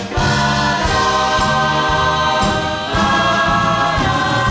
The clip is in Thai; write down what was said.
ภาระ